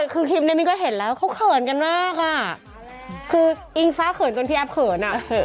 คืออิงฟ้าเขินจนพี่แอบเขินน่ะ